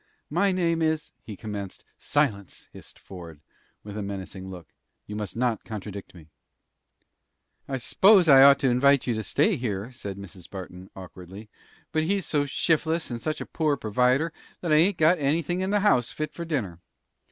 "My name is " he commenced. "Silence!" hissed Ford, with a menacing look. "You must not contradict me." "I s'pose I ought to invite you to stay here," said Mrs. Barton, awkwardly; "but he's so shif'less, and such a poor provider, that I ain't got anything in the house fit for dinner."